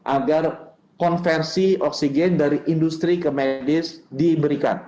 agar konversi oksigen dari industri ke medis diberikan